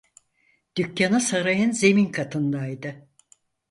Dükkânı sarayın zemin katındaydı.